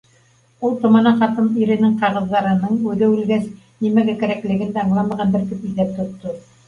Ул томана ҡатын иренең ҡағыҙҙарының, үҙе улгәс, нимәгә кәрәклеген дә аңламағандыр, тип иҫәп тотто